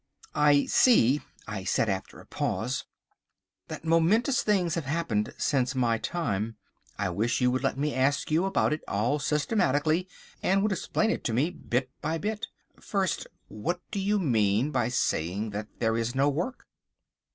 "I see," I said after a pause, "that momentous things have happened since my time. I wish you would let me ask you about it all systematically, and would explain it to me bit by bit. First, what do you mean by saying that there is no work?"